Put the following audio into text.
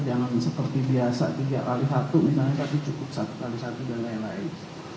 jangan seperti biasa tiga x satu misalnya tapi cukup satu x satu dan lain lain